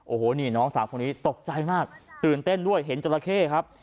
โอ้โหนี่น้องสาวคนนี้ตกใจมากตื่นเต้นด้วยเห็นจราเข้ครับ